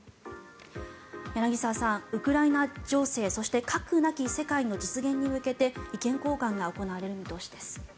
柳澤さん、ウクライナ情勢そして核なき世界の実現に向けて意見交換が行われる見通しです。